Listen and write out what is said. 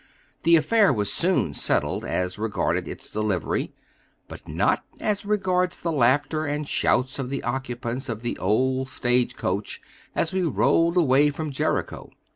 The affair was soon settled as regarded its delivery, but not as regards the laughter and shouts of the occupants of the old stage coach as we rolled away from Jericho.